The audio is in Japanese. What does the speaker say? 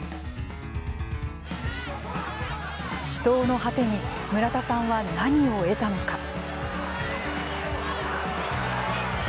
死闘の果てに村田さんは何を得たのか。